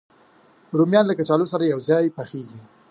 رومیان له کچالو سره یو ځای پخېږي